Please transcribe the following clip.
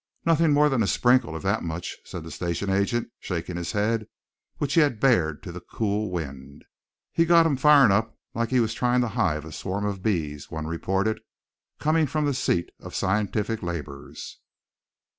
"Nothing more than a sprinkle, if that much," said the station agent, shaking his head, which he had bared to the cool wind. "He's got him firin' up like he was tryin' to hive a swarm of bees," one reported, coming from the seat of scientific labors.